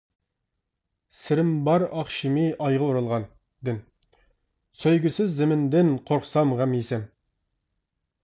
( «سىرىم بار ئاخشىمى ئايغا ئورالغان» دىن) سۆيگۈسىز زېمىندىن قورقسام، غەم يېسەم.